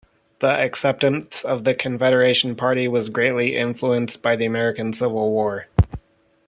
The acceptance of the Confederation Party was greatly influenced by the American Civil War.